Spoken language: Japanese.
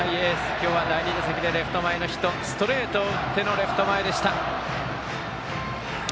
今日は第２打席、レフト前のヒットストレートを打ってのレフト前でした。